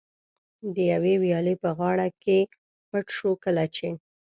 د یوې ویالې په غاړه کې پټ شو، کله چې.